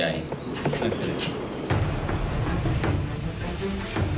ไม่เคย